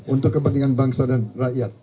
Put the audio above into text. untuk kepentingan bangsa dan rakyat